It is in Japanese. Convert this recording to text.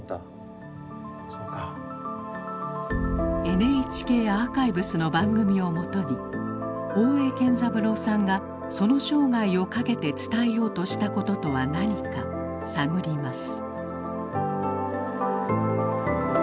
ＮＨＫアーカイブスの番組をもとに大江健三郎さんがその生涯をかけて伝えようとしたこととは何か探ります